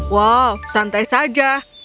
wow santai saja